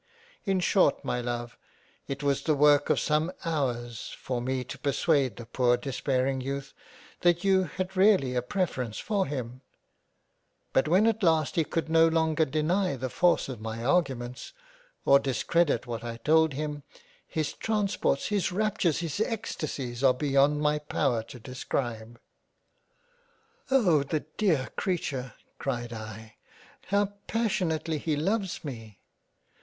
" In short my Love it was the work of some hours for 124 g A COLLECTION OF LETTERS^ me to persuade the poor despairing Youth that you had really a preference for him ; but when at last he could no longer deny the force of my arguments, or discredit what I told him, his transports, his Raptures, his Extacies are beyond my power to describe." " Oh ! the dear Creature, cried I, how passionately he loves me